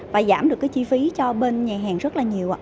và giảm được cái chi phí cho bên nhà hàng rất là nhiều